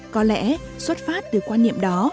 có lẽ xuất phát từ quan niệm đó